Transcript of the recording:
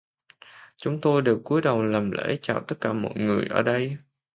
Chúng tôi đều cúi đầu làm lễ chào tất cả mọi người ở đây